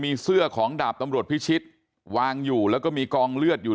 มีเสื้อของดาบตำรวจพิชิตวางอยู่แล้วก็มีกองเลือดอยู่